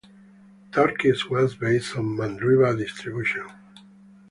Turkix was based on the Mandriva distribution.